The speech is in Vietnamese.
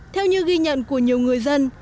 theo như ghi nhận của nhiều người dân